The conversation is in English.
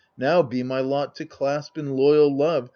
Now be my lot to clasp, in loyzd love.